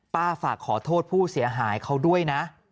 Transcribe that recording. ฝากขอโทษผู้เสียหายเขาด้วยนะ